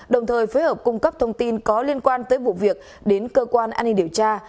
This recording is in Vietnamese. đồng thời phối hợp cung cấp thông tin có liên quan tới vụ việc đến cơ quan an ninh điều tra